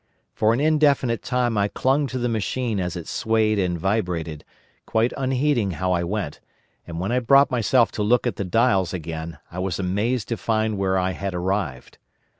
For an indefinite time I clung to the machine as it swayed and vibrated, quite unheeding how I went, and when I brought myself to look at the dials again I was amazed to find where I had arrived.